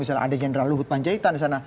misalnya ada jenderal luhut manjaitan disana